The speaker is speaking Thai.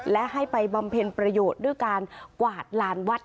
และให้ไปบำเพ็ญประโยชน์ด้วยการกวาดลานวัด